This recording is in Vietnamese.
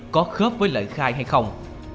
có khớp với lợi khai hay không